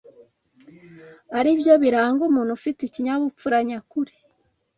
ari byo biranga umuntu ufite ikinyabupfura nyakuri